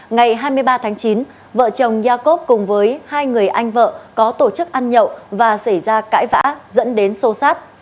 ngày hai mươi ba tháng chín vợ chồng yakov cùng với hai người anh vợ có tổ chức ăn nhậu và xảy ra cãi vã dẫn đến sô sát